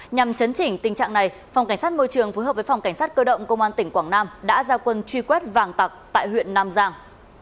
nhằm chấn chỉnh tình trạng này phòng cảnh sát môi trường phối hợp với phòng cảnh sát cơ động công an tỉnh quảng nam đã ra quân truy quét vàng tặc tại huyện nam giang